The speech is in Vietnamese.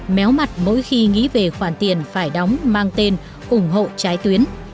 méo mặt mỗi khi nghĩ về khoản tiền phải đóng mang tên ủng hộ trái tuyến